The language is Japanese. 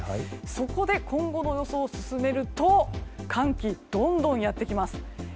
そこで今後の予想を進めると寒気、どんどんやってきます。